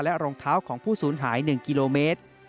รองเท้าของผู้สูญหาย๑กิโลเมตร